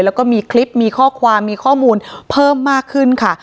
แล้วก็มีคลิปมีข้อความมีข้อมูลเพิ่มมากขึ้นค่ะ